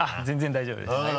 全然大丈夫です。